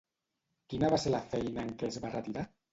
Quina va ser la feina en què es va retirar?